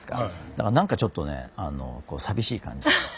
だからなんかちょっとね寂しい感じ。